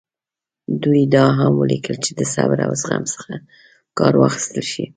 دوی دا هم ولیکل چې د صبر او زغم څخه کار واخیستل شي.